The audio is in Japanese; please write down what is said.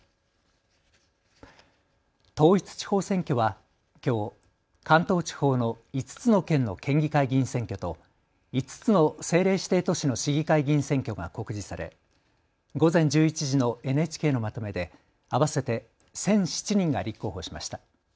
統一地方選挙はきょう関東地方の５つの県の県議会議員選挙と５つの政令指定都市の市議会議員選挙が告示され午前１１時のＮＨＫのまとめで合わせて１００７人が立候補しました。